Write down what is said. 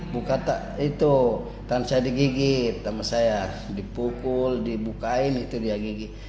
buka tak itu tangan saya digigit sama saya dipukul dibukain itu dia gigit